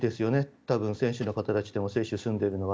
多分、選手の方たちで接種が済んでいるのは。